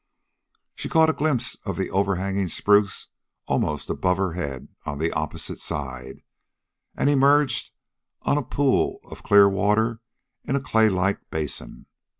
She caught a glimpse of the overhanging spruce, almost above her head on the opposite side, and emerged on a pool of clear water in a clay like basin.